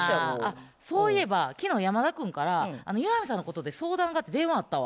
そういえば昨日山田君から岩見さんのことで相談がって電話あったわ。